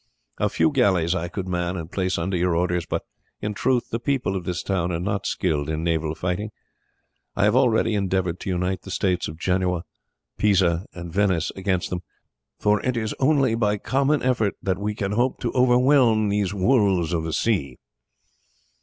A few galleys I could man and place under your orders, but in truth the people of this town are not skilled in naval fighting. I have already endeavoured to unite the states of Genoa, Pisa, and Venice against them, for it is only by common effort that we can hope to overwhelm these wolves of the sea."